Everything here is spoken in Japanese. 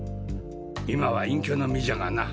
今は隠居の身じゃがな。